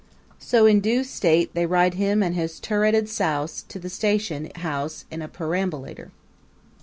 So in due state they ride him and his turreted souse to the station house in a perambulator.